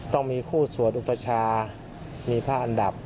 ต้องมีคู่สวดอุปชามีพระอันดับ